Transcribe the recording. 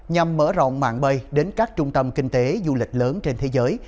nhằm mở rộng mạng bay đến các trung tâm kinh tế du lịch lớn trên thế giới